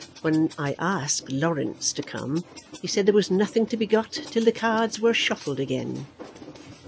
When I asked Laurence to come, he said there was nothing to be got till the cards were shuffled again."